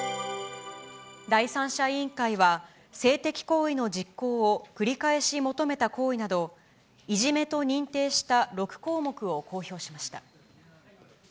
第三者委員会は、性的行為の実行を繰り返し求めた行為など、いじめと認定した６項目を公表しました。